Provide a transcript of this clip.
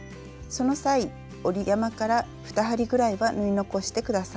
その際折り山から２針ぐらいは縫い残して下さい。